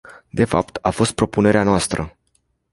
De fapt, a fost propunerea noastră.